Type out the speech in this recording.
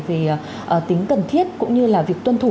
về tính cần thiết cũng như là việc tuân thủ